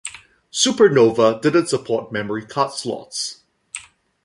SuperNova didn't support memory card slots.